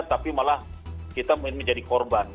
tapi malah kita menjadi korban